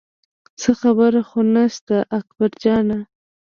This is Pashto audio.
څه خبره خو نه شته اکبر جانه.